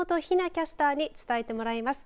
雛キャスターに伝えてもらいます。